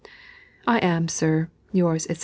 I am, sir, yours, &c.